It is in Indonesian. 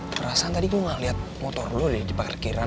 kerasa tadi gue gak liat motor lo ada di parkiran